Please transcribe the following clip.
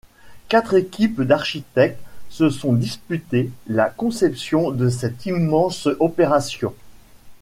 Quatre équipes d'architectes se sont disputés la conception de cette immense opération.